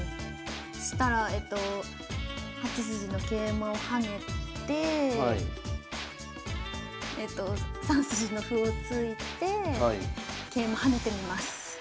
そしたら８筋の桂馬を跳ねて３筋の歩を突いて桂馬跳ねてみます。